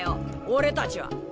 俺たちは！